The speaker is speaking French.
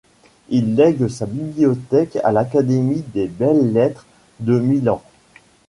Il lègue sa bibliothèque à l’Académie des belles-lettres de Milan.